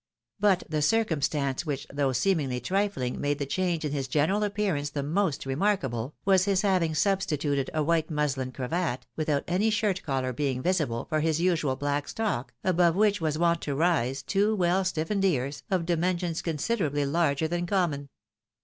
But the circumstance which, though seemingly trifling, made the change in his general appearance the most remarkable, was his having substituted a wHte mushn cravat, without any shirt collar being visible, for his usual black stock, above which was wont to arise two weU stiifened ears, of dimensions considerably larger than common.